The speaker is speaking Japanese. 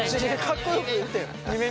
かっこよく言ってよ。